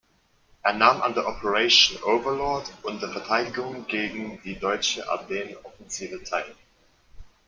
Er nahm an der Operation Overlord und der Verteidigung gegen die deutsche Ardennenoffensive teil.